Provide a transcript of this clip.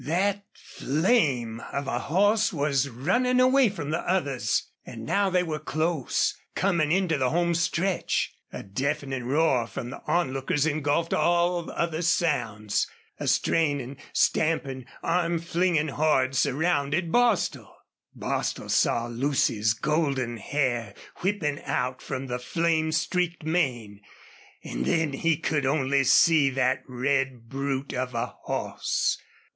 That flame of a horse was running away from the others. And now they were close coming into the home stretch. A deafening roar from the onlookers engulfed all other sounds. A straining, stamping, arm flinging horde surrounded Bostil. Bostil saw Lucy's golden hair whipping out from the flame streaked mane. And then he could only see that red brute of a horse.